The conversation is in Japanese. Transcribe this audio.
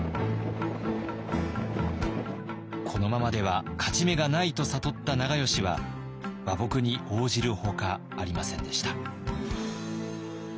このままでは勝ち目がないと悟った長慶は和睦に応じるほかありませんでした。